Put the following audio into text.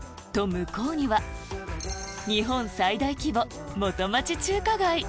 向こうには日本最大規模元町中華街